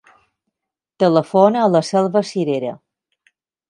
Telefona a la Selva Sirera.